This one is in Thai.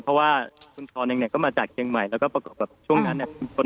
เพราะว่าคุณชรก็มาจากเชียงใหม่แล้วก็ประกอบกับช่วงนั้น